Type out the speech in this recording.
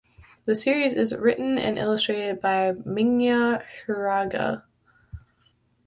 The series is written and illustrated by Minya Hiraga.